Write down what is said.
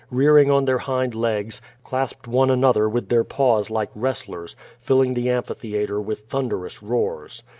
Rearing on their hind legs, clasped one another with their paws like wrestlers, filling the amphi theatre with thunderous roars.